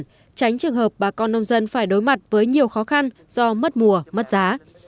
tránh trường hợp bà con nông dân phải đối mặt với nhiều khó khăn do mất mùa mất giá